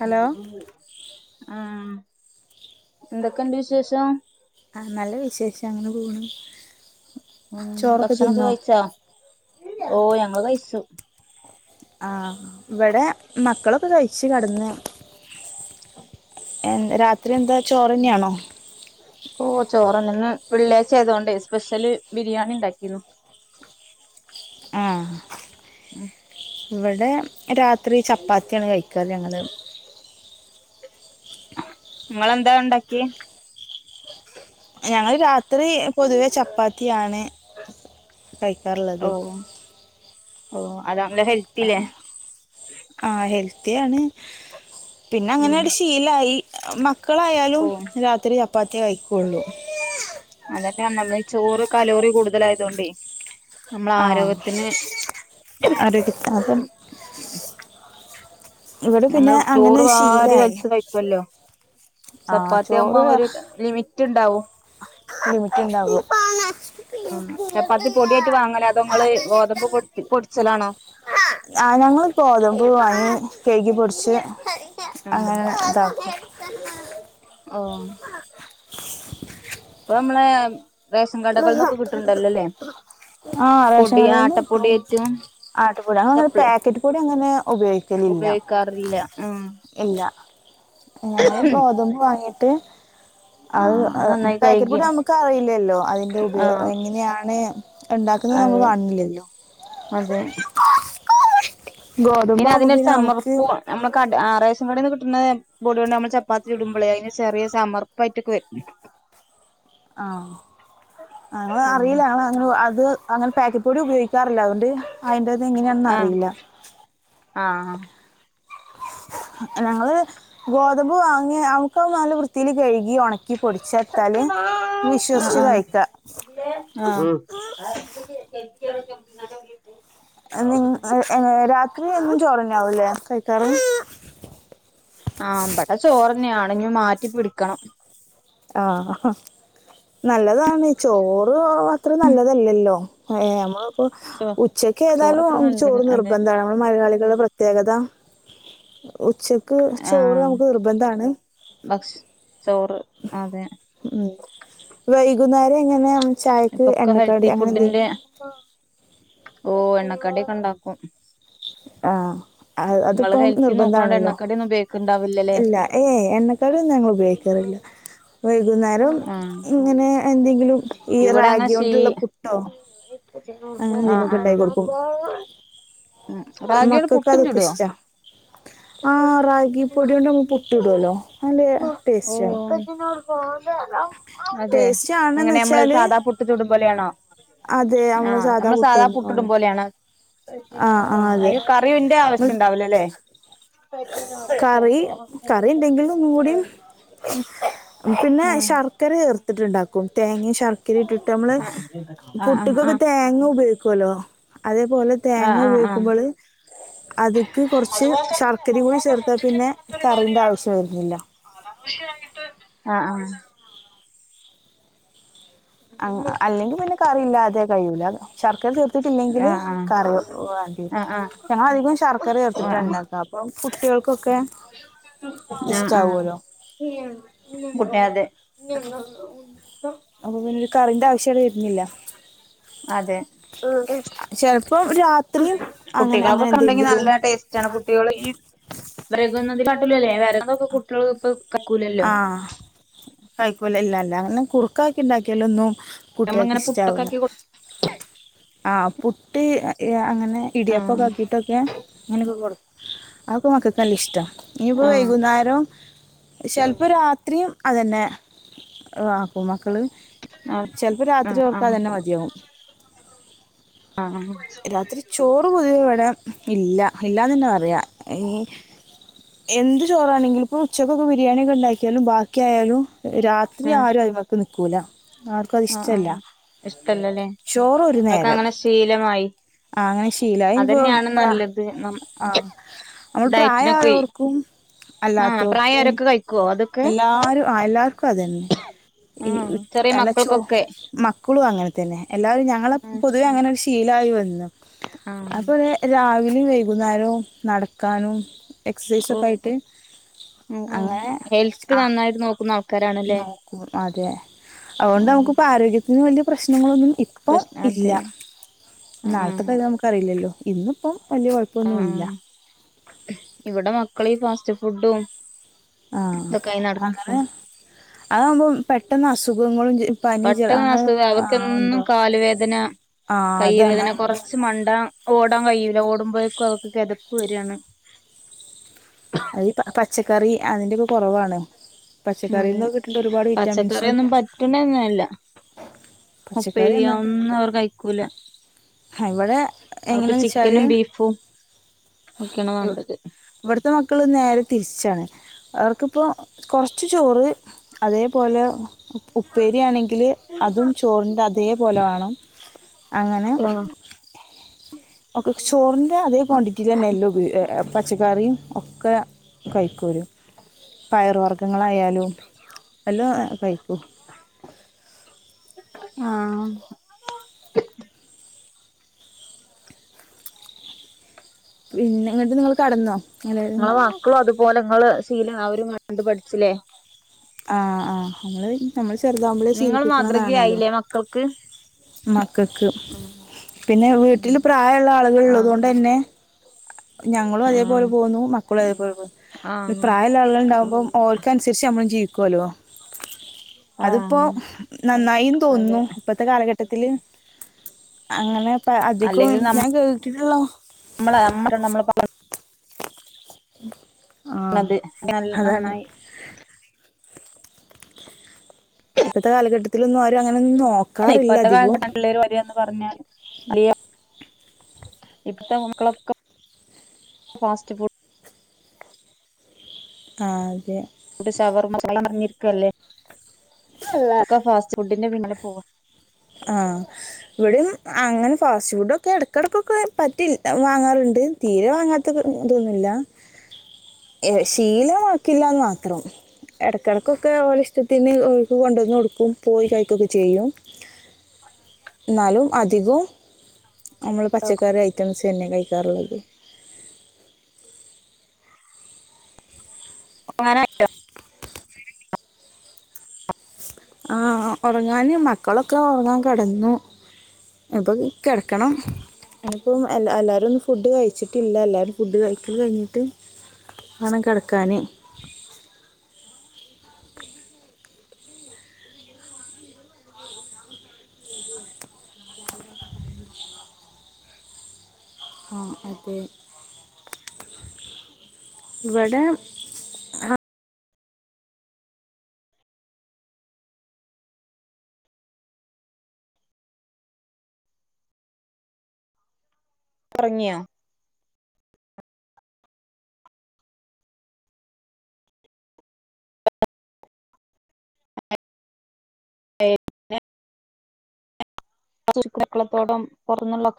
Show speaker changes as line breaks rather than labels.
Hello
ആഹ് എന്തൊക്കെണ്ട് വിശേഷം
ആഹ് നല്ല വിശേഷം അങ്ങനെ പോണ്
ഉം
ചോറൊക്കെ
ഭക്ഷണൊക്കെ
തിന്നോ
കഴിച്ചാ ഓ ഞങ്ങള് കഴിച്ചു
ആഹ് ഇവിടെ മക്കളൊക്കെ കഴിച്ചു കടന്ന് എൻ രാത്രി എന്താ ചോറ്ന്നെയാണോ
ഓഷ് ചോറെന്നെ ഇന്ന് വെള്ളിയാഴ്ച്ചായതോണ്ടേ സ്പെഷ്യല് ബിരിയാണി ഉണ്ടാക്കിനു.
ആഹ്
ഉം
ഇവിടെ രാത്രി ചപ്പാത്തിയാണ് കഴിക്കാ ഞങ്ങള്.
ഇങ്ങളെന്താ ഇണ്ടാക്കിയെ?
ഞങ്ങള് രാത്രി പൊതുവേ ചപ്പാത്തിയാണ് കഴിക്കാറ്ള്ളത്.
ഓഹ് അതാണ്ലോ ഹെൽത്തില്ലേ?
ആഹ് ഹെൽത്തിയാണ് പിന്നെ
ഉം
അങ്ങനെട് ശീലായി മ ക്കളായാലും
ഓ
രാത്രി ചപ്പാത്തി കഴിക്കൊള്ളൂ.
അതെന്നെഞപറ്ഞ് ചോറ് കലോറി കൂടുതലായതോണ്ടെ
ആ
നമ്മളാരോഗ്യത്തിന്
ആരോഗ്യ അപ്പം ഇവിടെ പിന്നെ
നമ്മൾ
അങ്ങനെ
ചോറ് വാരി
ശീലായി
വലിച്ച് കഴിക്കല്ലോ
ആ
ചപ്പാത്തിയാവുമ്പൊര് ലിമിറ്റ്ണ്ടാവും.
ലിമിറ്റ്ണ്ടാകും.
ഉം ചപ്പാത്തി പൊടിയായിട്ട് വാങ്ങലാ അതോങ്ങള് ഗോതമ്പ് പൊ പൊടിച്ചലാണോ?
ആഹ് ഞങ്ങൾ കോതമ്പ് വാങ്ങി കെഴ്കി പൊടിച്ച്
ആഹ്
അങ്ങനെ താക്കും.
ഓഹ് ഇപ്പ നമ്മളെ റേഷൻ കടകളന്നൊക്കെ കിട്ടുണ്ടല്ലോല്ലേ?
ആഹ് റേഷൻ
പൊടി
കടേന്ന് കിട്ടും.
ആട്ടപ്പൊടിയേറ്റും
ആട്ടപുടി അങ്ങളങ്ങനെ
സപ്ലി
പാക്കറ്റ് പൊടി അങ്ങനെ ഉപയോഗിക്കലില്ല.
ഉപയോഗിക്കാറില്ല ഉം
ഇല്ല ഞങ്ങള് ഗോതമ്പ് വാങ്ങിട്ട് അഅ്
ആഹ് അത് നന്നായി
അെപാക്കറ്റ്
കഴുകി
പുടി നമുക്കറിയില്ലല്ലോ. അതിന്റെ ഉപയോ
ആഹ്
എങ്ങനെയാണ് ഇണ്ടാക്കുന്നത് നമ്മൾ
അതെ
കാൺണില്ലല്ലോ. ആകുമ്പോൾ പിന്നെ നമുക്ക്
പിന്നതിനൊര്ച്ചമർപ്പു നമ്മക്ക് ആഹ് റേഷൻ കടേന്ന് കിട്ടണ പൊടിയോണ്ട് നമ്മൾ ചപ്പാത്തി ചുടുമ്പളെ അയ്ന് ചെറിയ ചമർപ്പായിട്ട് പോയ്
[inaudible] ആഹ്
ഉം
അങ്ങ്ളറിയില്ല ആള ങ്ങള് അത് അങ്ങന പാക്കറ്റ് പൊടി ഉപയോഗിക്കാറില്ല അതൊ
അഹ് ആഹ്
ഞങ്ങള് ഗോതമ്പ് വാങ്ങി അമുക്കാവു നല്ല വൃത്തിൽ കഴുകി ഒണ ക്കി പൊടിച്ചെടുത്താല് വിശ്വസിച്ച്
ആഹ്
കഴിക്ക
ആഹ് [unintelligible]
അ നിങ്ങ് എഏ രാത്രി എന്നും ചോറന്നാവൂല്ലേ കഴിക്കാറ്
ആ ഇബടെ ചോറന്നേണ് ഞി മാറ്റി പിടിക്കണം
ആഹ് ഹ നല്ലതാണ് ചോറു ത്ര നല്ലതല്ലല്ലോ ഏ നമ്മളിപ്പോ
സോ
ഉച്ചക്കേതാലും
ചോറത്ര
മ്ക്ക്
നല്ലത്
ചോറ്
അതെ
നിർബന്ധാ മലയാളികൾടെ പ്രത്യേകത ഉച്ചക്ക് ചോറ് നമുക്ക് നിർബന്ധാണ്
ഭക്ഷ് ചോറ് അതെ
ഉം വൈകുന്നേരങ്ങനെ ചായക്ക് എണ്ണക്കടി അങ്ങനെന്തേ
ഓഹ് എണ്ണക്കടി ക്കെ ഉണ്ടാക്കും
ആഹ് അഹ്
നിങ്ങള്
അത്പ്പം
ഹെൽത്തി നോക്കണോണ്ട്
നിർബന്ധാണല്ലോ
എണ്ണക്കടിയൊന്നും ഉപയോഗിക്കണ്ടാവില്ലല്ലേ
ഇല്ല എഏയ് എണ്ണക്കടിയൊന്നു ഞങ്ങൾ ഉപയോഗിക്കാറില്ല വൈകുന്നേരം
ആഹ്
ഇങ്ങനെ എന്തെങ്കിലും ഈ
ഇവിടെ അങ്ങ ശീ
റാഗിയോണ്ടുള്ള പുട്ടോ അങ്ങനെ
ആഹ്
എന്തെങ്കിലുമൊക്കെ
ആഹ് ഉം റാഗിയോണ്ട് പുട്ടും ചുടുവോ
മക്കക്കതൊക്കിഷ്ട ആ റാഗി പൊടിയൊണ്ട് നമ്മൾ പുട്ടൂടുല്ലോ നല്ലേ ടേസ്റ്റാ
അതെ
ടേസ്റ്റ് ആണെന്ന്
ങ്ങനെ നമ്മള്
വെച്ചാൽ
സാധാ പുട്ട് ചുടും പോലേണോ
അതെ നമ്മൾ
ആഹ് നമ്മള് സാധാ
പുട്ടിടുന്ന
പുട്ടുടും
പോലെ
പോലേണ്
ആ ആ
ആഹ്
അതെ
അയ്‌ന് കറിവിന്റെ
നമ്മൾ
ആവശ്യണ്ടാവുലല്ലേ
കറി കറി ഉണ്ടെങ്കിൽ ഒന്നും കൂടിയും
[unintelligible]
പിന്നെ
ആഹ്
ശർക്കര ചെർത്ത്ട്ട്ണ്ടാക്കും തേങ്ങേ ശർ ക്കിരി ഇട്ടിട്ട് നമ്മള്
ആഹ് ആഹ്
പുട്ടിക്കൊക്കെ
ആഹ്
തേങ്ങ ഉപയോഗിക്കുവലോ അതേപോലെ തേങ്ങ
ആഹ് ആഹ് ആഹ്
ഉപയോഗിക്കുമ്പള് അതിക്ക് കൊറച്ച് ശർക്കരേകൂടി ചേർത്താ പിന്നെ കറീന്റെ ആവശ്യംവരുന്നില്ല
അങ്ങനാന്ന് പഷേ [unintelligible] ആഹ് ആഹ് [unintelligible]
അല്ലെങ്കി പിന്നെ കറിയില്ലാതെ കയ്യൂല ശർക്കര ചേർ ത്തിട്ടില്ലെങ്കില് കറി
ആഹ്
വാണ്ടിവരും
ആഹ്
ഞങ്ങളധികോം ശർക്കരചേർത്തിട്ടാണ്ടാക്ക അപ്പം കുട്ടികൾക്കൊക്കെ ഇസ്ട്ടാവൂല്ലോ
മുട്ടയതെ
അപ്പപിന്നൊരു കറിന്റെ ആവശ്യങ്ങട് വര്ണില്ല
അതെ
ഉം ചെലപ്പം രാ
കുട്ടികൾക്കൊക്കെണ്ടെങ്കി നല്ല ടേസ് റ്റാണ് കുട്ടികളീ വൈകുന്നതികാട്ടിലുംല്ലേ വരന്നൊക്കെ കുട്ടികള് പ്പ
ആഹ് കൈക്കൂല ഇല്ലല്ല ന്ന് കുറുക്കാക്കിണ്ടാക്കിയാലൊന്നും കുട്ടിയാക്ക്
നമ്മളിങ്ങനെ പുട്ടൊക്കെ
ഇഷ്ട്ടാവൂല
ആക്കി കൊടു
ആഹ് പുട്ട് യ അങ്ങനെ ഇടിയപ്പൊക്കെ
ആഹ്
ആക്കിട്ടൊക്കെ അങ്ങനെക്കെ കൊടുക്കും അതക്കെ മക്കക്ക് നല്ല ഇഷ്ട്ടാ ഇനിയിപ്പ
ആഹ്
വൈകുന്നാരം ചെലപ്പോ രാത്രി അതന്നെ ആക്കും മക്കള്
ആഹ്
ചെലപ്പോ രാത്രി
ആഹ്
ഓർക്കതന്നെ
ആഹ്
മതിയാവും
ആഹ്
രാത്രി ചോറ് പൊതുവേ ഇവ്ടെ ഇല്ല ഇല്ലാന്ന് തന്നെ പറയാം ഈ എന്ത് ചോറാണെങ്കിലും ഇപ്പം ഉച്ചക്കൊക്കെ ബിരിയാണിയൊക്കെ ഇണ്ടാക്കിയാലും ബാക്കിയായാലും രാ ത്രി
ആഹ്
ആരും അയിമെക്ക് നിക്കൂലാ ആർക്കും അഹ്
ആഹ്
ഇഷ്ടം ഇല്ലാ
ആഹ് ഇഷ്ടല്ലല്ലേ
ചോറ് ഒര്
അവർക്ക്
നേരം.
അങ്ങനെ ശീലമായി
ആഹ് അങ്ങനെ ശീലായി അഹ് ഇഞ്ഞ് ഇപ്പോ
അതന്നെയാണ്
പ്ര
നല്ലത് നം
ആഹ് നമ്മൾ പ്രായ
ഡയറ്റിനൊക്കെ
ആയോർക്കും
ആഹ്
അല്ലാത്തോർക്കും
പ്രായായോരൊക്കെ കഴിക്കുവോ അതൊക്കെ
എല്ലാരും ആഹ് എല്ലാർക്കും അതെന്നെ ഈ വ്
ചെറിയ
അല്ല ച്ചോ
മക്കൾക്കൊക്കെ
മക്കളും അങ്ങനെ തന്നെ എല്ലാരും ഞങ്ങളെ
ആഹ്
പൊതുവെ അങ്ങനെ ഒര് ശീലായി വന്നു. അപ്പ ഒര് രാവിലിം വൈകുന്നേരും നട്ക്കാനും
ഓ
എക്സൈസൊക്കെ ആയിട്ട് അങ്ങനെ
ട്ട്
ആ
നന്നായിട്ട് നോക്കുന്ന ആൾ
നോക്കും അതെ അയോണ്ട് നമുക്ക് ഇപ്പം ആരോഗ്യത്തിന് വല്യ പ്രശ്നങ്ങളൊന്നും ഇപ്പം
പ്രശ്ന
ഇല്ല.
അതെ ആ ആ
നാളത്തെ കാര്യം നമുക്ക് അറിയില്ലല്ലോ ഇന്ന് ഇപ്പം വല്യ കൊഴപ്പൊന്നും ഇല്ല
ഇവടെ മക്കൾ ഈ ഫാസ്റ്റ് ഫുഡും
ആഹ്
ഇതൊക്കെയായി നടക്ക
അങ്ങനെ അതാവുമ്പോ പെട്ടെന്ന് അസുഖങ്ങളും ജ പനി ജല
പട്ടെന്ന്
അങ്ങനെ
അസുഖാ
ആ
അവക്കെന്നും
ഉണ്ടോ
കാല് വേദന
ആ
കയ്യ്
അതാണ്
വേദന കൊറ ച്ച് മണ്ടാം ഓടാൻ കയ്യൂലാ ഓട്മ്പഴെക്കും അവക്ക് കെതപ്പ് വെരാണ്.
അത് ഈ പ പച്ചക്കറി അതിന്റെയൊക്കെ കൊറവാണ്.
അതെ
പച്ചക്കറിന്ന് ഒക്കെ കിട്ടണ്ടെ ഒരുപാട് വിറ്റാമിൻസും
പച്ചക്കറിയൊന്നും പറ്റണന്നല്ല
പച്ചക്കറി
ഉപ്പേരി
നന്നായിട്ട്
അതൊന്നും അവർ
കഴിക്കെണം ഹാ ഇവടെ
അവക്ക് ചിക്കനും ബീഫും ഒക്കെയാണ് വാണ്ടത്
ഇവട്ത്തെ മക്കൾ നേരെ തിരിച്ചാണ്. അവർക്ക് ഇപ്പോ കൊർച്ച് ചോറ് അതെ പോലെ ഉപ്പേരിയാണെങ്കിൽ അതും ചോറിൻ്റെ അതെ പോലെ വാണം അങ്ങനെ
ആഹ്
ഒക്കെ ചോറിന്റെ അതേ ക്വാണ്ടി റ്റിലെന്നെ എല്ലം ഉപയോ ഏഹ് എഹ് പച്ചക്കറിം ഒക്കെ കഴിക്കും ഓര് പയർ വർഗ്ഗങ്ങളായാലും എല്ലോം കഴിക്കും.
ആഹ്
പിന്നെ ഇങ്ങെട്ട് നിങ്ങെൾ കട്ന്നോ?
ഇങ്ങളെ മക്കളും അതുപോലെ ഇങ്ങളെ ശീലം അവരും കണ്ട് പഠിച്ച്ലെ?
ആഹ് ആഹ് നമ്മൾ [unintelligible] നമ്മൾ ചെറുതാവുമ്പളെ
നിങ്ങൾ
ശീലിപ്പിക്ക്ണതാണല്ലോ
മാതൃകയായില്ലേ മക്കൾക്ക്
മക്കക്ക് പിന്നെ വീട്ട്ൽ പ്രായം ഇള്ള ആളുകൾ
ആഹ്
ഇള്ളതോണ്ടെന്നെ ഞങ്ങളും
ആഹ്
അതേപോലെ
ആഹ്
പോന്നു മക്കളും അതേപോലെ പോന്നു പിന്നെ
ആഹ്
പ്രായ ഇള്ള ആളുകൾ ഇണ്ടാവുമ്പം ഓൽക്ക് അന്സെര്ച്ച് നമ്മളും ജീവിക്കോലോ അത് ഇപ്പോ
ആഹ്
നന്നായിന്ന്
അതെ
തോന്നുന്നു ഇപ്പത്തെ കാലഘട്ടത്തില് അങ്ങനെ ഇപ്പ അധിക്കും
അല്ലെങ്കിൽ
ഞാ കേട്ടിട്ട് ഇള്ള
നമ്മളെ നമ്മ അറിയെണ നമ്മളെ പാ
ആഹ്
പറഞ്ഞത്
അതാണെയ്
നന്നായി
ഇപ്പത്തെ കാലഘട്ടത്തിൽ ഒന്നും ആരും അങ്ങനൊന്നും നോ
അല്ലെയ് ഇപ്പത്തെ കാല [unintelligible] പിള്ളെര് വെരാന്ന് പർഞ്ഞാൽ വലിയ ഇപ്പത്തെ മക്കളൊക്കെ ഫാസ്റ്റ് ഫു
ആഹ് അതെ
ഷവർമ ഷവർമ നറിഞ്ഞിരിക്കല്ലേ എല്ലാർക്കും ഫാസ്റ്റ് ഫുഡിന്റെ പിന്നാലെ പോക
ആഹ് ഇവിടെ അങ്ങനെ ഫാസ്റ്റ് ഫുഡ ഒക്കെ ഇടക്കിടക്കൊക്കെ പറ്റിൽ വാങ്ങാറുണ്ട് തീരെ വാങ്ങാത്ത ഇതൊന്നുമില്ല ശീലമാക്കില്ലന്ന് മാത്രം ഇടയ്ക്കിടക്കൊക്കെ ഓല് ഇഷ്ടത്തിന് കൊണ്ടോന്ന് കൊടുക്കും പോയി കഴിക്കൊക്കെ ചെയ്യും എന്നാലും അധികവും നമ്മൾ പച്ചക്കറി ഐറ്റംസ് തന്നെയ കഴിക്കാറുള്ളത്
ഒർങ്ങാനായി
ആഹ് ഒറങ്ങാന് മക്കളൊക്കെ ഒറങ്ങാൻ കിടന്നു ഇപ്പക്ക്‌ കെടക്കണം എനിപ്പം എ എല്ലാവരുംന്നും ഫുഡ് കഴിച്ചിട്ടില്ല എല്ലാരും ഫുഡ് കഴിക്കല് കഴിഞ്ഞിട്ട് വേണം കിടക്കാന് ആഹ് അതെ ഇവടെ
ഒറങ്ങിയോ ഏതിന ചുരുക്കക്കളത്തോടം തൊറന്നുള്ള